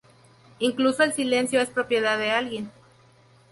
Incluso el silencio es propiedad de alguien